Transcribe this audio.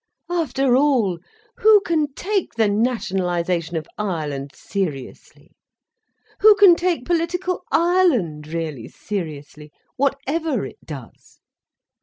After all, who can take the nationalisation of Ireland seriously? Who can take political Ireland really seriously, whatever it does?